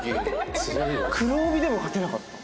黒帯でも勝てなかったの？